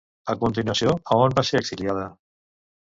A continuació, a on va ser exiliada?